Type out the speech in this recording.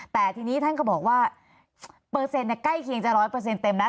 แต่ทีนี้ท่านก็บอกว่าเปอร์เซ็นต์ใกล้เคียงจะ๑๐๐เต็มแล้ว